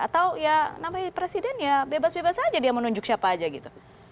atau ya namanya presiden ya bebas bebas aja dia menunjuk siapa aja gitu